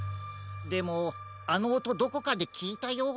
でもあのおとどこかできいたような。